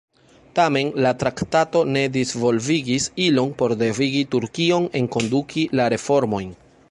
Tamen, la traktato ne disvolvigis ilon por devigi Turkion enkonduki la reformojn.